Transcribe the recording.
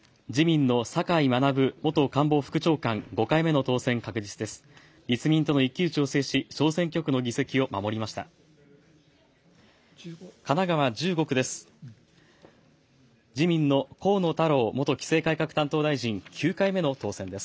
自民の坂井学元官房副長官、５回目の当選確実です。